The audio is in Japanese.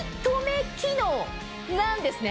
なんですね。